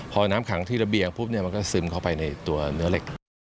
พอน้ำขังที่ระเบียงปุ๊บเนี่ยมันก็ซึมเข้าไปในตัวเนื้อเหล็ก